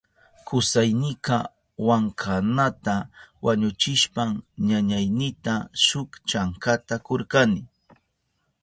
Kusaynika wankanata wañuchishpan ñañaynita shuk chankata kurkani.